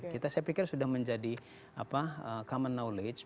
kita saya pikir sudah menjadi common knowledge